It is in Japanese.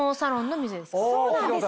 そうなんです。